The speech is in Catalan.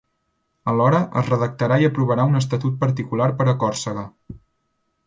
Alhora, es redactarà i aprovarà un estatut particular per a Còrsega.